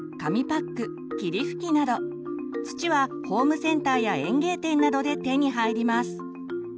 土はホームセンターや園芸店などで手に入ります。